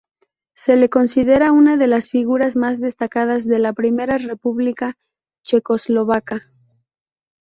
Se le considera una de las figuras más destacadas de la primera república checoslovaca.